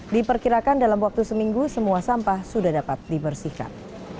diperkirakan dalam waktu seminggu semua sampah sudah dapat dibersihkan